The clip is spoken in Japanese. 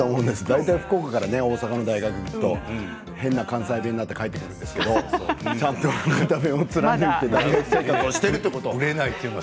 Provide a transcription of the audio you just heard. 大体、福岡から大阪の大学に行くと変な関西弁になって帰ってくるんですけどちゃんと博多弁を貫いて生活をしているという。